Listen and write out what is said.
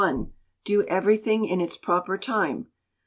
Do everything in its proper time.